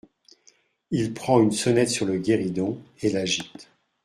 Il prend une sonnette sur le guéridon et l’agite.